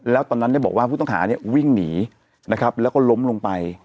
แล้วตอนนั้นบอกว่าผู้ต้องหาวิ่งหนีแล้วก็ล้มลงไป